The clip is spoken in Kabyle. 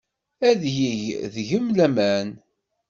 Ad yeg deg-m laman.